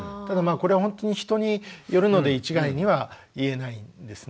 これはほんとに人によるので一概には言えないんですね。